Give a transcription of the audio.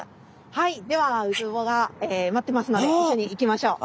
はいではウツボが待ってますので一緒に行きましょう。